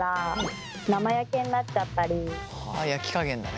焼き加減だね。